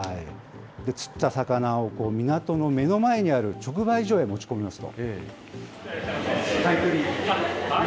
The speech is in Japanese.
釣った魚を港の目の前にある直売所へ持ち込みますと。